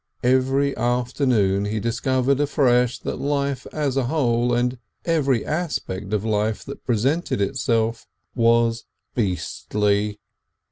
Every afternoon he discovered afresh that life as a whole and every aspect of life that presented itself was "beastly."